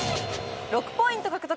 ６ポイント獲得